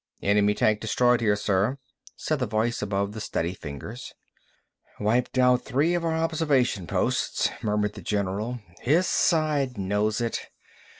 "Enemy tank destroyed here, sir," said the voice above the steady fingers. "Wiped out three of our observation posts," murmured the general, "His side knows it.